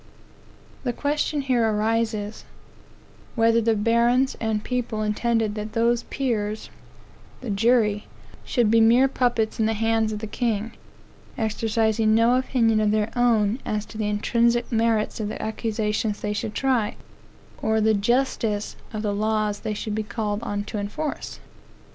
The question here arises, Whether the barons and people intended that those peers (the jury) should be mere puppets in the hands of the king, exercising no opinion of their own as to the intrinsic merits of the accusations they should try, or the justice of the laws they should be called on to enforce?